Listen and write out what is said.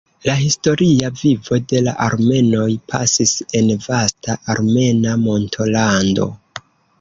La historia vivo de la armenoj pasis en vasta armena montolando.